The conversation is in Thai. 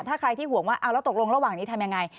ถ้าใครที่ห่วงว่าเอาแล้วตกลงระหว่างนี้ทำยังไง